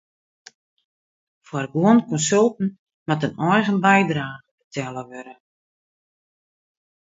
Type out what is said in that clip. Foar guon konsulten moat in eigen bydrage betelle wurde.